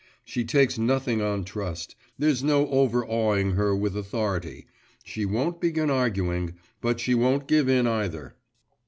She takes nothing on trust; there's no overawing her with authority; she won't begin arguing; but she won't give in either.